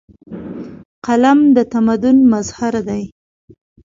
قلم د تمدن مظهر دی.